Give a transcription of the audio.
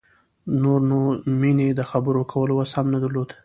نور نو مينې د خبرو کولو وس هم نه درلود.